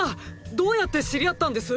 どうやって知り合ったんです